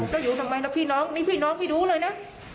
เราอยู่ทำไมพี่น้องนี่พี่น้องพี่ดูเลยนะ